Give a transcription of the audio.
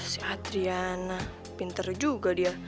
si adrian pinter juga dia